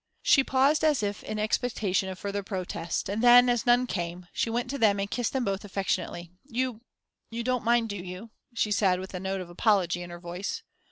She paused as if in expectation of further protest, and then as none came, she went to them and kissed them both affectionately. "You you don't mind, do you," she said, with a note of apology in her voice.